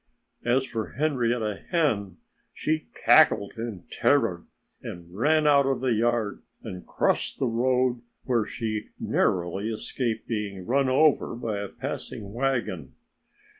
As for Henrietta Hen, she cackled in terror and ran out of the yard and crossed the road, where she narrowly escaped being run over by a passing wagon.